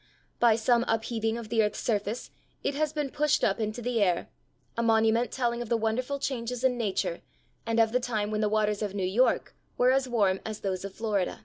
By some upheaving of the earth's surface it has been pushed up into the air, a monument telling of the wonderful changes in nature and of the time when the waters of New York were as warm as those of Florida.